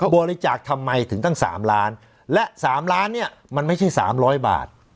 บริจาคทำไมถึงตั้งสามล้านและสามล้านเนี่ยมันไม่ใช่สามร้อยบาท